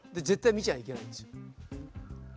見ちゃいけないんですよ。